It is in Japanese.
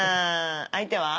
相手は？